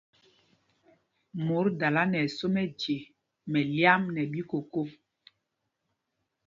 Mot dala nɛ ɛsō mɛje mɛlyam nɛ ɓíkokō.